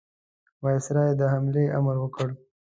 وایسرا د حملې امر ورکړ.